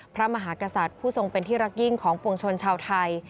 พระมหากษัตริย์ผู้ทรงเป็นที่รักยิ่งของปวงชนชาวไทย